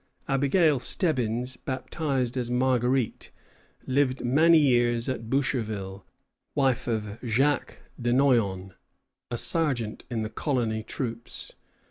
Abigail Stebbins, baptized as Marguerite, lived many years at Boucherville, wife of Jacques de Noyon, a sergeant in the colony troops.